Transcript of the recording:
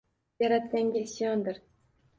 Yaratganga isyondir.